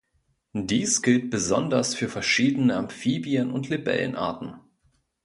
Dies gilt besonders für verschiedene Amphibien- und Libellenarten.